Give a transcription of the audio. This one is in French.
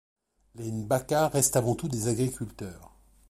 Les Ngbaka restent avant tout des agriculteurs.